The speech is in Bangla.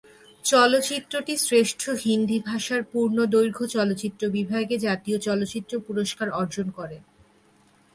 চলচ্চিত্রটি শ্রেষ্ঠ হিন্দি ভাষার পূর্ণদৈর্ঘ্য চলচ্চিত্র বিভাগে জাতীয় চলচ্চিত্র পুরস্কার অর্জন করে।